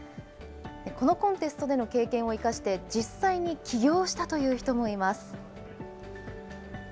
このコンテストでの経験を生かして実際に起業したという人もいます。